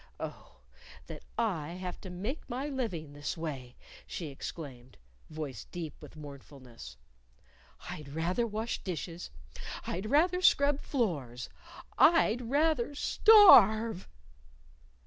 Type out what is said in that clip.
"Oh, that I have to make my living in this way!" she exclaimed, voice deep with mournfulness. "I'd rather wash dishes! I'd rather scrub floors! I'd rather _star r ve!